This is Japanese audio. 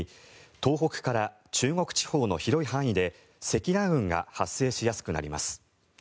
東北から中国地方の広い範囲で積乱雲が発生しやすくなります。